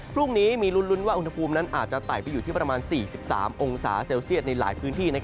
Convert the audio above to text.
พรุ่งนี้มีลุ้นว่าอุณหภูมินั้นอาจจะไต่ไปอยู่ที่ประมาณ๔๓องศาเซลเซียตในหลายพื้นที่